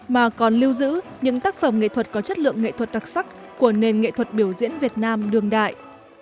mà còn lưu giữ những tác phẩm nghệ thuật có chất lượng nghệ thuật đặc sắc của nền nghệ thuật biểu diễn việt nam đường đại